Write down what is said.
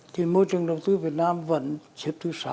thì môi trường đầu tư việt nam vẫn xếp thứ sáu